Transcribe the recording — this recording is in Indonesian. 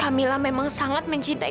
kamila memang sangat mencintai